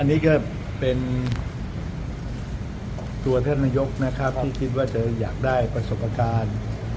อันนี้ก็เป็นตัวท่านนายกนะครับที่คิดว่าจะอยากได้ประสบการณ์